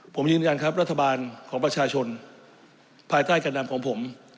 ผมยืนยันครับรัฐบาลของประชาชนภายใต้การนำของผม